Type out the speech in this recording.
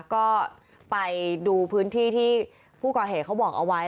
ก็ไปดูพื้นที่ที่ผู้ก่อเหตุเขาบอกเอาไว้